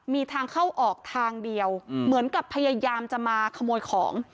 มีทางเข้าออกทางเดียวเหมือนกับพยายามจะมาขโมยของ